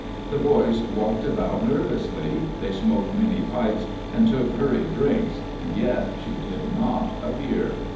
The boys walked about nervously they smoked many pipes, and took hurried drinks, and yet she did not appear.